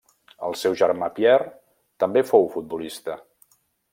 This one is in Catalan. El seu germà Pierre també fou futbolista.